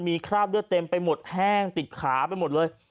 มีคราบเลือดเต็มไปหมดแห้งติดขาไปหมดเลย